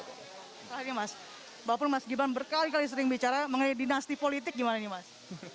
walaupun mas gibran berkali kali sering bicara mengenai dinasti politik gimana nih mas